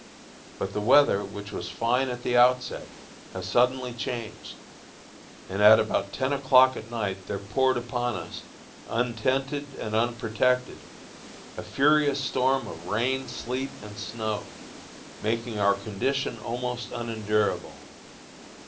But the weather, which was fine at the outset, has suddenly changed, and about ten o'clock at night there poured upon us, untented and unprotected, a furious storm of rain, sleet, and snow, making our condition almost unendurable.